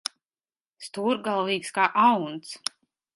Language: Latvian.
Stūrgalvīgs kā auns.